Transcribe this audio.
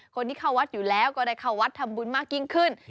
คนที่เข้าวัดอยู่แล้วก็ได้เข้าวัดทำบุญมากยิ่งขึ้น